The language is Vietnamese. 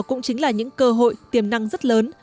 cũng chính là những cơ hội tiềm năng rất lớn